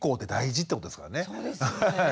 そうですよね。